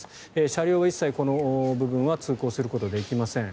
車両は一切、この部分は通行することができません。